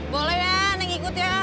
boleh ya neng ngikut ya